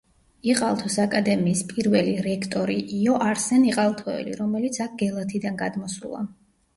იყალთოს აკადემიის პირველი რექტორი იო არსენ იყალთოელი, რომელიც აქ გელათიდან გადმოსულა.